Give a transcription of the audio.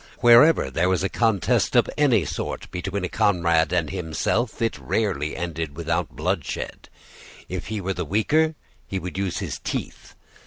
Whenever there was a contest of any sort between a comrade and himself, it rarely ended without bloodshed. If he were the weaker, he would use his teeth.